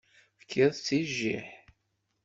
Tefkiḍ-tt i jjiḥ.